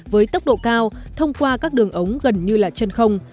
với tốc độ cao thông qua các đường ống gần như là chân không